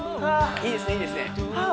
いいですねいいですねはあ